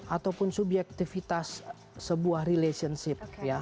ataupun subjektifitas sebuah relationship ya